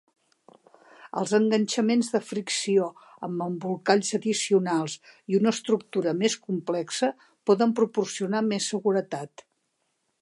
Els enganxaments de fricció amb embolcalls addicionals i una estructura més complexa poden proporcionar més seguretat.